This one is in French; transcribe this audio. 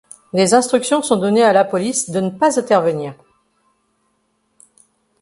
Des instructions sont données à la police de ne pas intervenir.